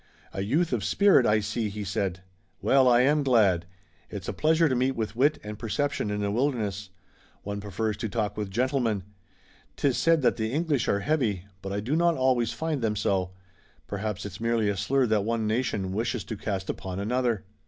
"A youth of spirit, I see," he said. "Well, I am glad. It's a pleasure to meet with wit and perception in the wilderness. One prefers to talk with gentlemen. 'Tis said that the English are heavy, but I do not always find them so. Perhaps it's merely a slur that one nation wishes to cast upon another."